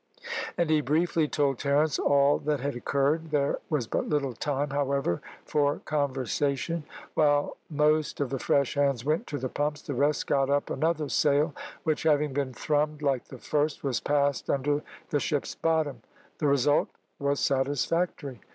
And he briefly told Terence all that had occurred. There was but little time, however, for conversation. While most of the fresh hands went to the pumps the rest got up another sail, which, having been thrummed like the first, was passed under the ship's bottom. The result was satisfactory.